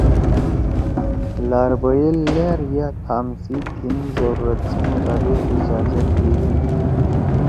لار بئیل لأر یا تھام سی تھین ضرورت سی مطابق اجازت دے دی ۔